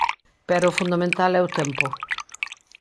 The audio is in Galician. Pero o fundamental é o tempo.